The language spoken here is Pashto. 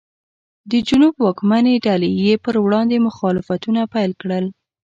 د جنوب واکمنې ډلې یې پر وړاندې مخالفتونه پیل کړل.